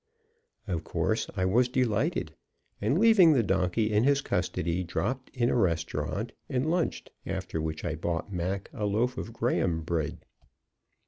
Of course, I was delighted, and leaving the donkey in his custody, dropped in a restaurant and lunched; after which I bought Mac a loaf of graham bread.